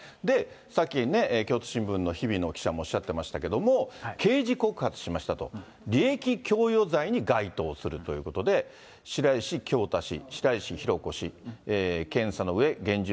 さっき京都新聞の日比野記者もおっしゃっていましたけれども、刑事告発しましたと、利益供与罪に該当するということで、白石京大氏